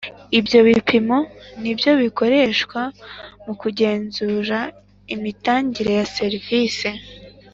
Ibyo bipimo nibyo bikoreshwa mu kugenzura imitangire ya serivisi